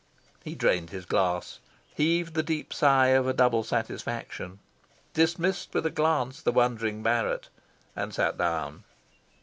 He drained his glass, heaved the deep sigh of a double satisfaction, dismissed with a glance the wondering Barrett, and sat down.